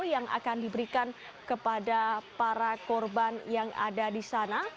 yang akan diberikan kepada para korban yang ada di sana